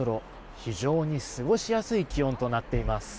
非常に過ごしやすい気温となっています。